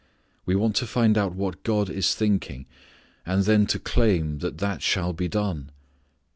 We want to find out what God is thinking, and then to claim that that shall be done.